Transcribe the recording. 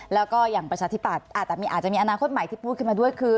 แล้วก็อย่างประชาธิปัตย์อาจจะมีอนาคตใหม่ที่พูดขึ้นมาด้วยคือ